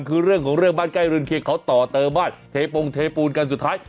คือเรื่องของเรื่องบ้านใกล้เรือนเคียงเขาต่อเติมบ้านเทปงเทปูนกันสุดท้าย